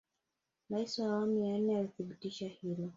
raisi wa awamu ya nne alithibitisha hilo